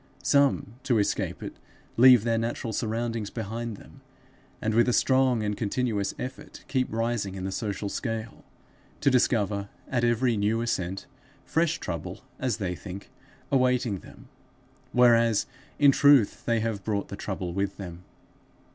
Some, to escape it, leave their natural surroundings behind them, and with strong and continuous effort keep rising in the social scale, to discover at every new ascent fresh trouble, as they think, awaiting them, whereas in truth they have brought the trouble with them.